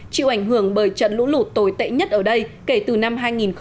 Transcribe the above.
chịu ảnh hưởng bởi trận lũ lụt tồi tệ nhất ở đây kể từ năm hai nghìn ba